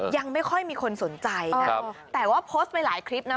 ยังไม่ค่อยมีคนสนใจนะแต่ว่าโพสต์ไปหลายคลิปนะ